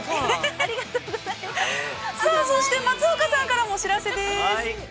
◆そして、松岡広大さんからもお知らせです。